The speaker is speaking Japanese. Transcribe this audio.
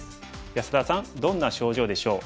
安田さんどんな症状でしょう？